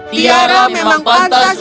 tiara memang pantas